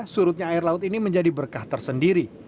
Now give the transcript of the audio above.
surutnya air laut ini menjadi berkah tersendiri